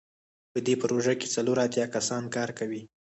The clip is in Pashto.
په دې پروژه کې څلور اتیا کسان کار کوي.